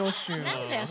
何だよ？